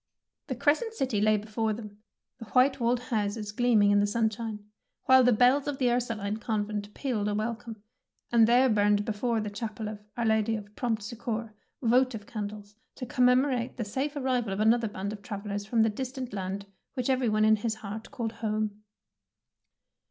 The Crescent City lay before them, the white walled houses gleaming in the sunshine, while the bells of the Ursuline Convent pealed a welcome, and there burned before the chapel of '' Our Lady of Prompt Succour votive candles, to commemorate the safe arrival of another band of travellers from the distant land which every one in his heart called ''home.'